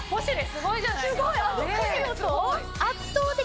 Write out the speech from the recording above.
すごいじゃないですか。